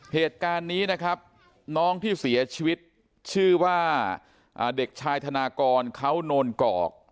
เหตุการณ์นี้นะครับน้องที่เสียชีวิตชื่อว่าเด็กชายธนากรเขาโนนกอก